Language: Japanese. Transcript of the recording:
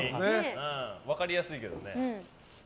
分かりやすいけどね。